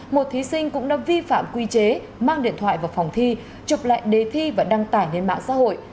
một thí sinh cũng đã vi phạm quy chế mang điện thoại vào phòng thi chụp lại đề thi và đăng tải lên mạng xã hội